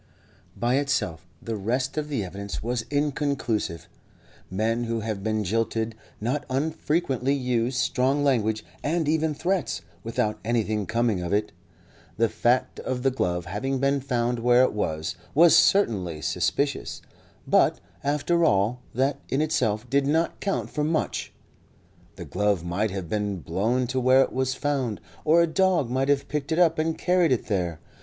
By itself, the rest of the evidence was inconclusive. Men who have been jilted not unfrequently use strong language, and even threats, without anything coming of it. The fact of the glove having been found where it was was certainly suspicious, but, after all, that in itself did not count for much; the glove might have been blown to where it was found, or a dog might have picked it up and carried it there.